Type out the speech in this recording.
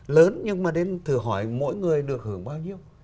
lớn nhưng mà đến thử hỏi mỗi người được hưởng bao nhiêu